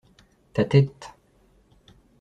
Ta tête.